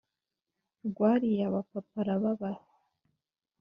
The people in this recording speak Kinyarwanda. rwariye aba papa arababara